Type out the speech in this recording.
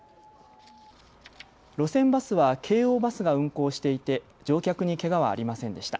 路線バスは京王バスが運行していて乗客にけがはありませんでした。